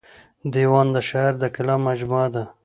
دېوان د شاعر د کلام مجموعه ده.